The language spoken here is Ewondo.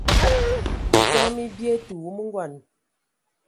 Minton mi bie, tə wumu ngɔn.